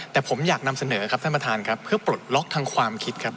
แต่ผมอยากนำเสนอครับท่านประธานครับเพื่อปลดล็อกทางความคิดครับ